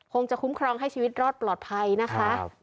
คงจะคุ้มครองให้ชีวิตรอดปลอดภัยนะคะ